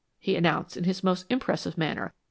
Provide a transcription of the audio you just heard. he announced in his most impressive manner.